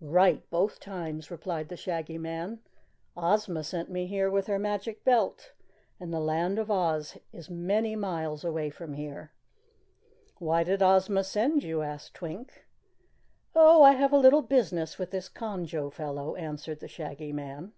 "Right, both times!" replied the Shaggy Man. "Ozma sent me here with her Magic Belt, and the Land of Oz is many miles away from here." "Why did Ozma send you?" asked Twink. "Oh, I have a little business with this Conjo fellow," answered the Shaggy Man.